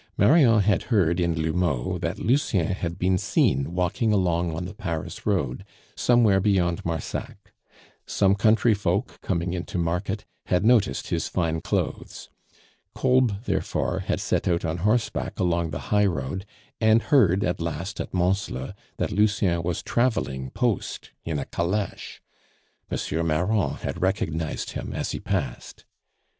Marion had heard in L'Houmeau that Lucien had been seen walking along on the Paris road, somewhere beyond Marsac. Some country folk, coming in to market, had noticed his fine clothes. Kolb, therefore, had set out on horseback along the highroad, and heard at last at Mansle that Lucien was traveling post in a caleche M. Marron had recognized him as he passed.